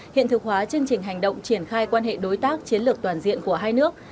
hiện thực hóa chương trình hành động triển khai quan hệ đối tác chiến lược toàn diện của hai nước